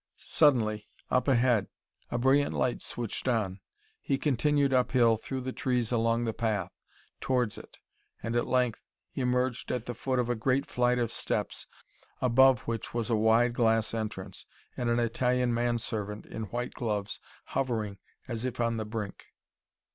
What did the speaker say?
Suddenly, up ahead, a brilliant light switched on. He continued uphill through the trees along the path, towards it, and at length, emerged at the foot of a great flight of steps, above which was a wide glass entrance, and an Italian manservant in white gloves hovering as if on the brink.